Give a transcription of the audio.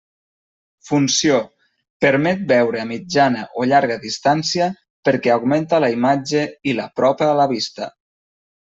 Funció: permet veure a mitjana o llarga distància perquè augmenta la imatge i l'apropa a la vista.